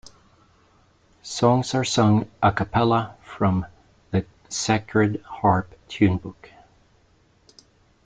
Songs are sung a cappella from the Sacred Harp tunebook.